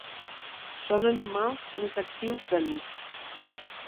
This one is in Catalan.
Són animals més actius de nit.